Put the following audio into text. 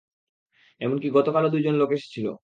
এমনকি গতকালও দুইজন লোক এসেছিল।